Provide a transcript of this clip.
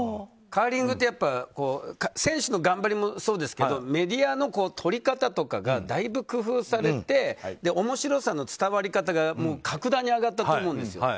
カーリングってやっぱり選手の頑張りもそうですけどメディアの撮り方とかがだいぶ工夫されて面白さの伝わり方が格段に上がったと思うんです。